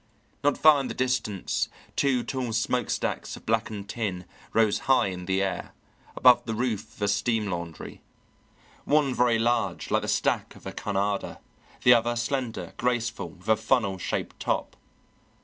Not far in the distance two tall smokestacks of blackened tin rose high in the air, above the roof of a steam laundry, one very large like the stack of a Cunarder, the other slender, graceful, with a funnel shaped top.